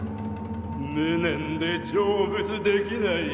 無念で成仏できない。